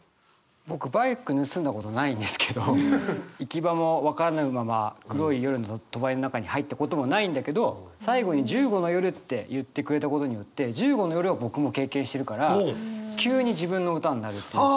僕バイク盗んだことないんですけど行き場も解らぬまま黒い夜の帳りの中に入ったこともないんだけど最後に「１５の夜」って言ってくれたことによって１５の夜は僕も経験してるから急に自分の歌になるっていう。